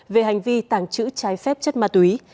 về hành vi tàng trữ trái phép chất ma túy